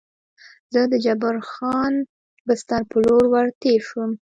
زه د جبار خان بستر په لور ور تېر شوم.